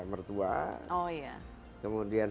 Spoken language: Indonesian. mertua oh iya kemudian